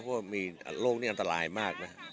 เพราะว่ามีโรคนี้อันตรายมากนะ